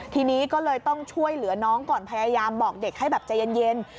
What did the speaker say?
ทีนี้ก็เลยต้องช่วยเหลือน้องก่อนพยายามบอกเด็กให้แบบใจเย็น